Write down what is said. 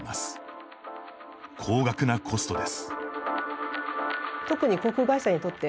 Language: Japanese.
高額なコストです。